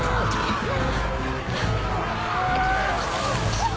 あっ！